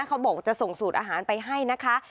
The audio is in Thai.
เขาบอกจะส่งสูตรอาหารไปให้นะคะ